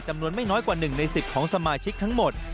จำนวนไม่น้อยกว่า๑ใน๑๐ของสมาชิกทั้งหมด